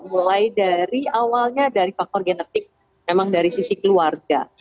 mulai dari awalnya dari faktor genetik memang dari sisi keluarga